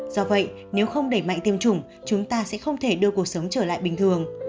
do vậy nếu không đẩy mạnh tiêm chủng chúng ta sẽ không thể đưa cuộc sống trở lại bình thường